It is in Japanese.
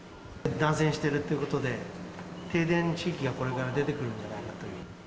断線しているということで、停電地域がこれから出てくるんじゃないかと。